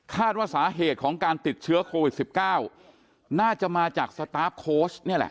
ว่าสาเหตุของการติดเชื้อโควิด๑๙น่าจะมาจากสตาร์ฟโค้ชนี่แหละ